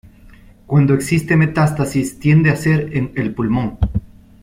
Cuando existe metástasis tiende a ser en el pulmón.